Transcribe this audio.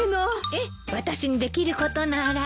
ええ私にできることなら。